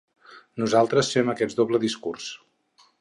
Nosaltres fem aquest doble discurs.